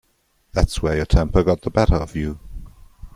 That's where your temper got the better of you.